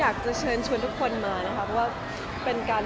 อยากจะชนทุกคนมาเป็นการช่วยเศรษฐกิจไทยด้วย